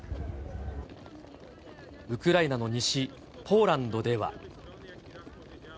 ウクライナの西、ポーランドでは。